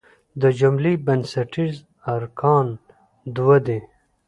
د جملې بنسټیز ارکان دوه دي.